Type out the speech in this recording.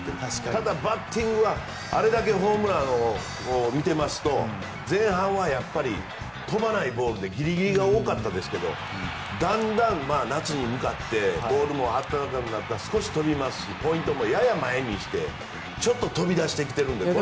ただ、バッティングはあれだけホームランを見てますと前半は飛ばないボールでギリギリが多かったですがだんだん、夏に向かってボールも暖かくなったら少しポイントもやや前にしてちょっと飛び出してきています。